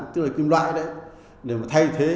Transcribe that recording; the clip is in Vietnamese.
tức là kim loại đấy để thay thế